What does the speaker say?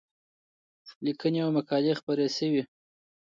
لیکنې او مقالې خپرې شوې.